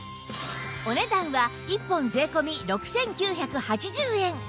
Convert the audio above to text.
お値段は１本税込６９８０円